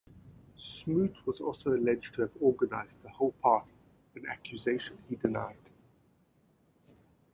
Smoot was also alleged to have organized the whole party, an accusation he denied.